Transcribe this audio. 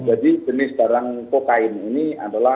jadi jenis barang kokain ini adalah